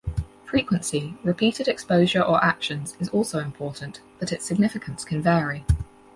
Frequency, repeated exposure or actions, is also important, but its significance can vary.